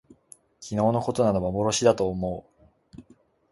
昨日きのうのことなど幻まぼろしだと思おもおう